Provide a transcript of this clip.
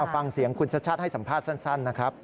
ฟังเสียงคุณชัชชาติให้สัมภาษณ์สั้นนะครับ